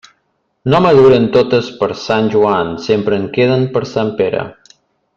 No maduren totes per Sant Joan; sempre en queden per Sant Pere.